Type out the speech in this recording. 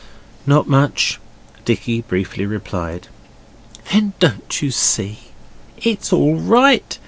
'Not much,' Dicky briefly replied. 'Then don't you see it's all right.